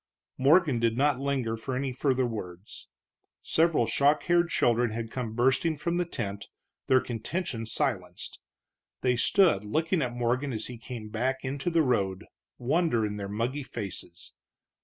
Morgan did not linger for any further words. Several shock haired children had come bursting from the tent, their contention silenced. They stood looking at Morgan as he came back into the road, wonder in their muggy faces.